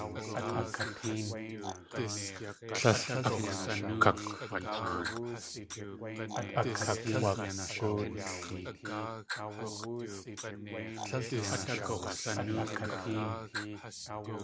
Tlél akakg̲wataan.